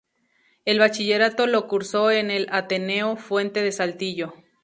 El bachillerato lo cursó en el Ateneo Fuente de Saltillo.